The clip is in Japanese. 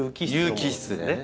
有機質でね。